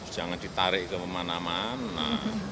jangan ditarik ke mana mana